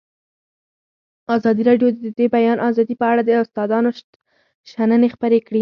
ازادي راډیو د د بیان آزادي په اړه د استادانو شننې خپرې کړي.